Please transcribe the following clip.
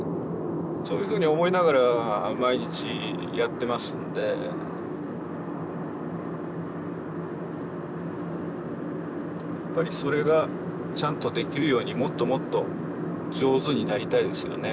そういうふうに思いながら毎日やってますんでやっぱりそれがちゃんとできるようにもっともっと上手になりたいですよね